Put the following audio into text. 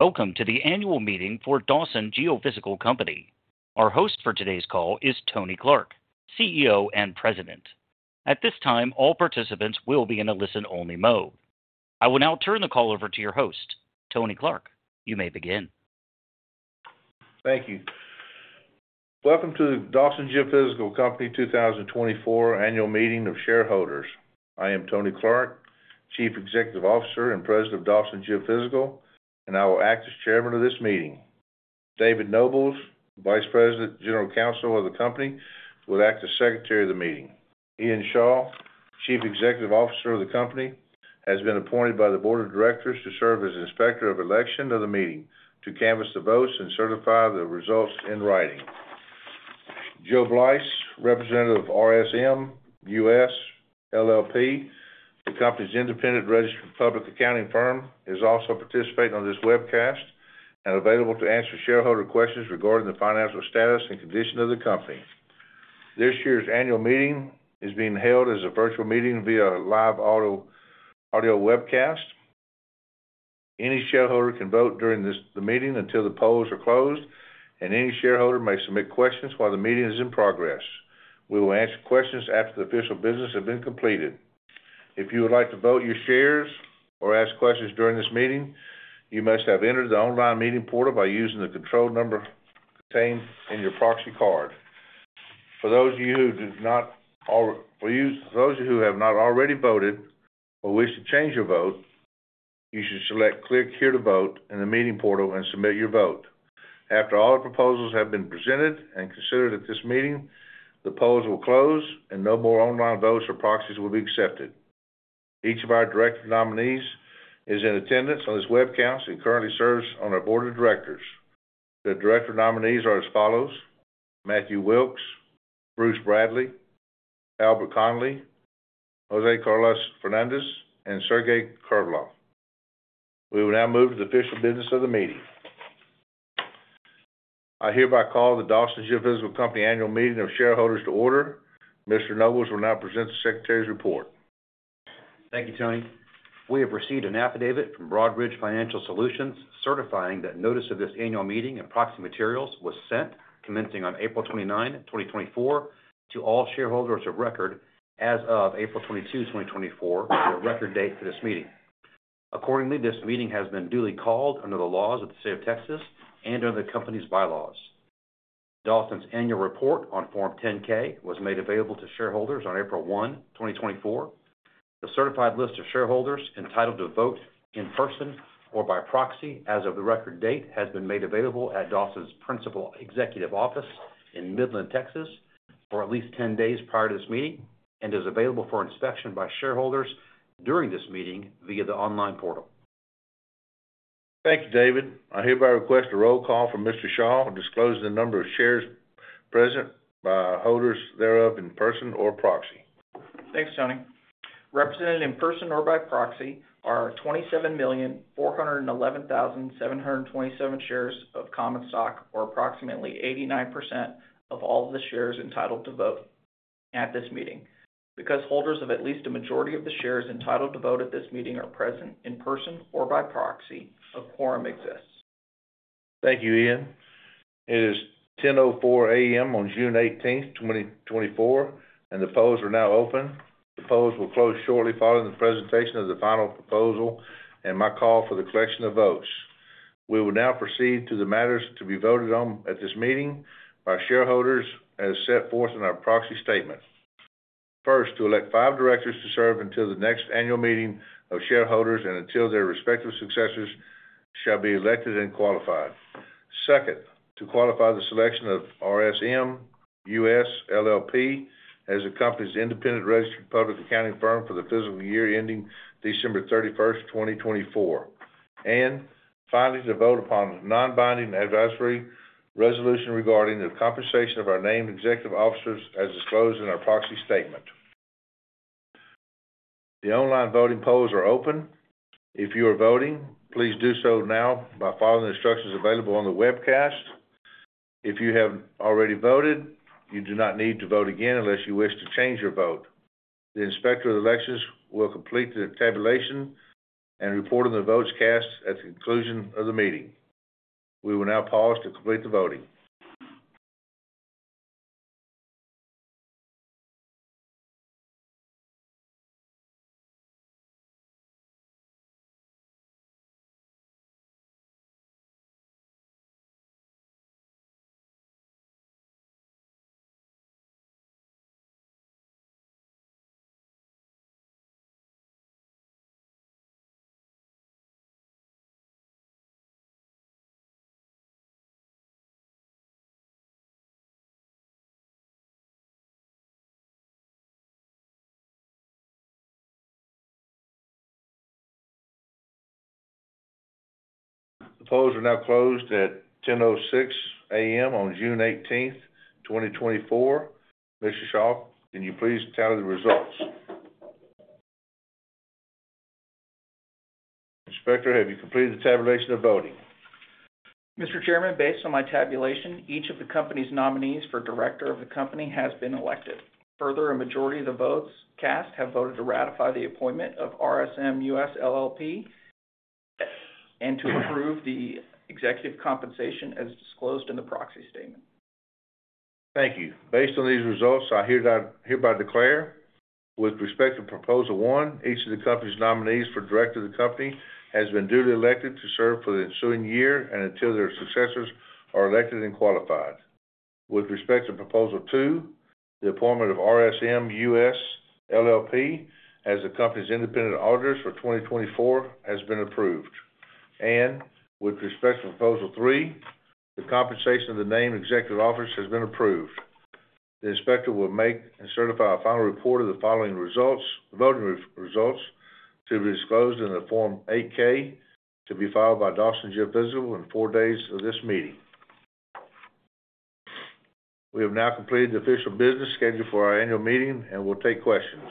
Welcome to the annual meeting for Dawson Geophysical Company. Our host for today's call is Tony Clark, CEO and President. At this time, all participants will be in a listen-only mode. I will now turn the call over to your host, Tony Clark. You may begin. Thank you. Welcome to the Dawson Geophysical Company 2024 annual meeting of shareholders. I am Tony Clark, Chief Executive Officer and President of Dawson Geophysical, and I will act as Chairman of this meeting. David Nobles, Vice President and General Counsel of the company, will act as Secretary of the meeting. Ian Shaw, Chief Financial Officer of the company, has been appointed by the Board of Directors to serve as Inspector of Election of the meeting to canvass the votes and certify the results in writing. Joe Blythe, Representative of RSM US LLP, the company's independent registered public accounting firm, is also participating on this webcast and available to answer shareholder questions regarding the financial status and condition of the company. This year's annual meeting is being held as a virtual meeting via live audio webcast. Any shareholder can vote during the meeting until the polls are closed, and any shareholder may submit questions while the meeting is in progress. We will answer questions after the official business has been completed. If you would like to vote your shares or ask questions during this meeting, you must have entered the online meeting portal by using the control number contained in your proxy card. For those of you who have not already voted or wish to change your vote, you should select "Click Here to Vote" in the meeting portal and submit your vote. After all the proposals have been presented and considered at this meeting, the polls will close and no more online votes or proxies will be accepted. Each of our director nominees is in attendance on this webcast and currently serves on our Board of Directors. The director nominees are as follows: Matthew Wilks, Bruce Bradley, Albert Conly, Jose Carlos Fernandes, and Sergei Krylov. We will now move to the official business of the meeting. I hereby call the Dawson Geophysical Company Annual Meeting of Shareholders to order. Mr. Nobles will now present the Secretary's report. Thank you, Tony. We have received an affidavit from Broadridge Financial Solutions certifying that notice of this annual meeting and proxy materials was sent, commencing on April 29, 2024, to all shareholders of record as of April 22, 2024, the record date for this meeting. Accordingly, this meeting has been duly called under the laws of the State of Texas and under the Company's bylaws. Dawson's annual report on Form 10-K was made available to shareholders on April 1, 2024. The certified list of shareholders entitled to vote in person or by proxy as of the record date has been made available at Dawson's principal executive office in Midland, Texas, for at least 10 days prior to this meeting and is available for inspection by shareholders during this meeting via the online portal. Thank you, David. I hereby request a roll call for Mr. Shaw, disclosing the number of shares present by holders thereof in person or proxy. Thanks, Tony. Represented in person or by proxy are 27,411,727 shares of common stock, or approximately 89% of all of the shares entitled to vote at this meeting. Because holders of at least a majority of the shares entitled to vote at this meeting are present in person or by proxy, a quorum exists. Thank you, Ian. It is 10:04 A.M. on June 18, 2024, and the polls are now open. The polls will close shortly following the presentation of the final proposal and my call for the collection of votes. We will now proceed to the matters to be voted on at this meeting by shareholders as set forth in our Proxy Statement. First, to elect five directors to serve until the next annual meeting of shareholders and until their respective successors shall be elected and qualified. Second, to qualify the selection of RSM US LLP as the Company's Independent Registered Public Accounting Firm for the fiscal year ending December 31, 2024. And finally, to vote upon a non-binding advisory resolution regarding the compensation of our named executive officers as disclosed in our Proxy Statement. The online voting polls are open. If you are voting, please do so now by following the instructions available on the webcast. If you have already voted, you do not need to vote again unless you wish to change your vote. The Inspector of Elections will complete the tabulation and report on the votes cast at the conclusion of the meeting. We will now pause to complete the voting. The polls are now closed at 10:06 A.M. on June 18, 2024. Mr. Shaw, can you please tally the results? Inspector, have you completed the tabulation of voting? Mr. Chairman, based on my tabulation, each of the Company's nominees for Director of the Company has been elected. Further, a majority of the votes cast have voted to ratify the appointment of RSM US LLP and to approve the executive compensation as disclosed in the proxy statement. Thank you. Based on these results, I hereby declare, with respect to Proposal One, each of the Company's nominees for Director of the Company has been duly elected to serve for the ensuing year and until their successors are elected and qualified. With respect to Proposal Two, the appointment of RSM US LLP as the Company's independent auditor for 2024 has been approved. With respect to Proposal Three, the compensation of the named executive officer has been approved. The Inspector will make and certify a final report of the following results, the voting results, to be disclosed in the Form 8-K to be filed by Dawson Geophysical in four days of this meeting. We have now completed the official business scheduled for our annual meeting and will take questions.